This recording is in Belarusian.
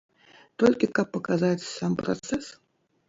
Толькі каб паказаць сам працэс?